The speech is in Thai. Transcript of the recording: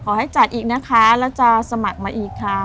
ให้จัดอีกนะคะแล้วจะสมัครมาอีกค่ะ